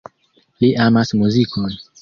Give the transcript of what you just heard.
Li amas muzikon.